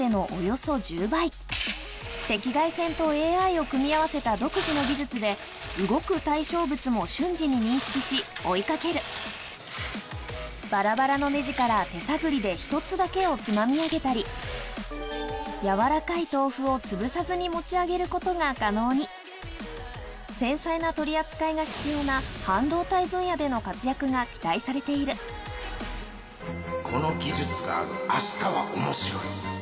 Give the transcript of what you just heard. を組み合わせた独自の技術で動く対象物も瞬時に認識し追い掛けるバラバラのネジから手探りで１つだけをつまみ上げたりやわらかい豆腐をつぶさずに持ち上げることが可能に繊細な取り扱いが必要なが期待されているこの技術があるあしたは面白い